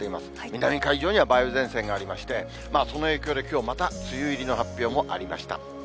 南海上には梅雨前線がありまして、その影響で、きょうまた梅雨入りの発表もありました。